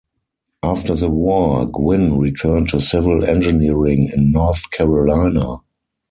After the war, Gwynn returned to civil engineering in North Carolina.